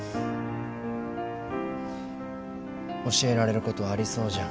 教えられることありそうじゃん。